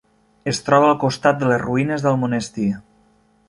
Es troba al costat de les ruïnes del monestir.